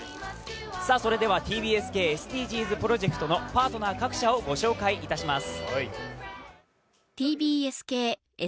ＴＢＳ系ＳＤＧｓプロジェクトのパートナー各社をご紹介いたします。